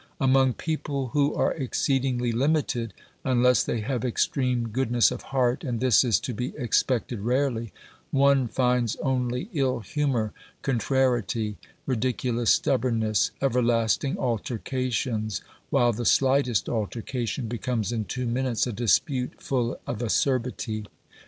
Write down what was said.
Among people who are exceedingly limited, unless they have extreme goodness of heart — and this is to be expected rarely — one finds only ill humour, contrariety, ridiculous stubbornness, everlasting altercations, while the slightest altercation becomes in two minutes a dispute full of acerbity.